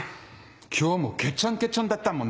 今日もケチョンケチョンだったもんね。